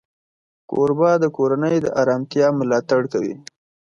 کوربه د کورنۍ د آرامتیا ملاتړ کوي.